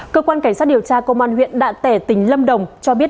cơ quan cảnh sát điều tra công an huyện đạ tẻ tỉnh lâm đồng cho biết